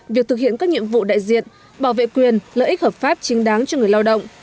việc thực hiện các nhiệm vụ đại diện bảo vệ quyền lợi ích hợp pháp chính đáng cho người lao động